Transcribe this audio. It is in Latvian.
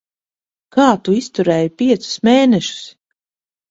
Kā tu izturēji piecus mēnešus?